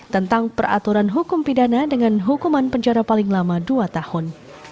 tentang peraturan hukum pidana dengan hukuman penjara paling lama dua tahun